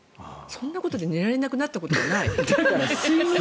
そんなことで寝られなくなったことがない。